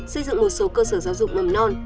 xây dựng một số cơ sở giáo dục mầm non